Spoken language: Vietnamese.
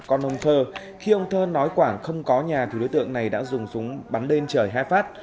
con ông thơ khi ông thơ nói quảng không có nhà thì đối tượng này đã dùng súng bắn lên trời hai phát